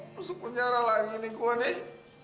masuk penjara lagi nih gue nih